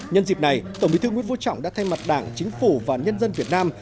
nhân dịp này tổng bí thư nguyễn vũ trọng đã thay mặt đảng chính phủ và nhân dân việt nam